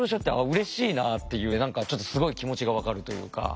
うれしいなっていう何かちょっとすごい気持ちが分かるというか。